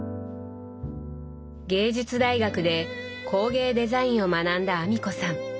芸術大学で工芸デザインを学んだ阿美子さん。